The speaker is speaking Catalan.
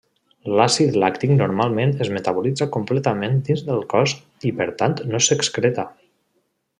L'àcid làctic normalment es metabolitza completament dins del cos i per tant no s'excreta.